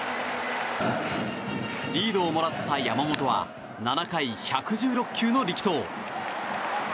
リードをもらった山本は７回１１６球の力投。